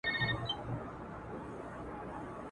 اشنا مي کوچ وکړ کوچي سو.